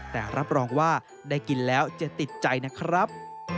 แต่รับรองว่าได้กินแล้วจะติดใจนะครับ